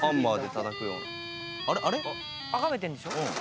あれっ？崇めてんでしょ。